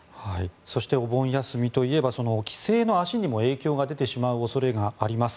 そしてお盆休みといえば帰省の足にも影響が出てしまう恐れがあります。